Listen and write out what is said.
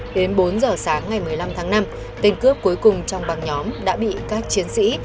đến bốn giờ sáng ngày một mươi năm tháng năm tên cướp cuối cùng trong băng nhóm đã bị các chiến sĩ